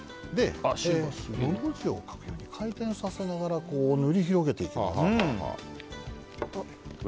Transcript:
のの字で回転させながら塗り広げていきます。